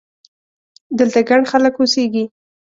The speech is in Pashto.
دلته ګڼ خلک اوسېږي!